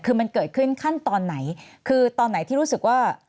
คือมันเกิดขึ้นขั้นตอนไหนคือตอนไหนที่รู้สึกว่า